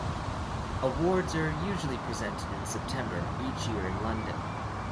Awards are usually presented in September each year in London.